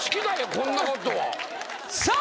こんなことはさあ